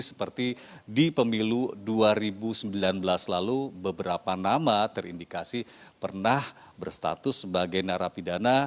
seperti di pemilu dua ribu sembilan belas lalu beberapa nama terindikasi pernah berstatus sebagai narapidana